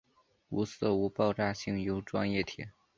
无色无爆炸性油状液体。